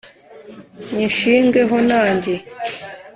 nyishinge ho nanjye,